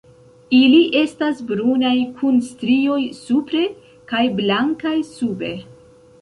Ili estas brunaj kun strioj supre kaj blankaj sube.